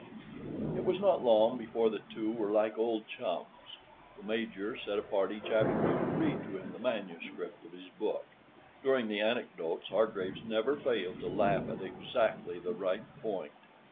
It was not long before the two were like old chums. The Major set apart each afternoon to read to him the manuscript of his book. During the anecdotes Hargraves never failed to laugh at exactly the right point.